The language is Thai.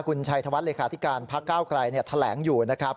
คุณชัยธวัฒน์เหลคาธิการพระเก้ากลายเนี่ยแถลงอยู่นะครับ